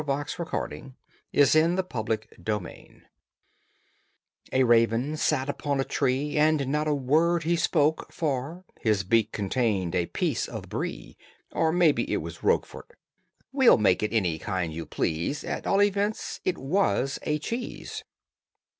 THE SYCOPHANTIC FOX AND THE GULLIBLE RAVEN A raven sat upon a tree, And not a word he spoke, for His beak contained a piece of Brie, Or, maybe, it was Roquefort: We'll make it any kind you please At all events, it was a cheese.